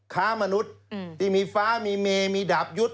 ค้ามนุษย์ที่มีฟ้ามีเมมีดาบยุทธ์